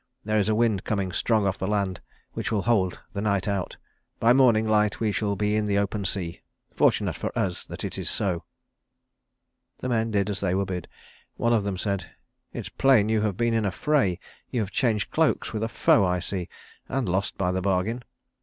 There is a wind coming strong off the land which will hold the night out. By morning light we shall be in the open sea. Fortunate for us that it is so." The men did as they were bid. One of them said, "It's plain you have been in the fray. You have changed cloaks with a foe, I see, and lost by the bargain.